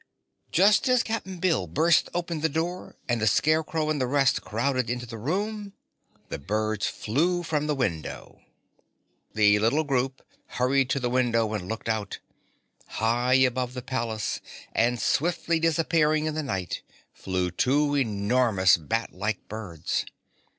Just as Cap'n Bill burst open the door, and the Scarecrow and the rest crowded into the room, the birds flew from the window. The little group hurried to the window and looked out. High above the palace and swiftly disappearing in the night, flew two enormous bat like birds.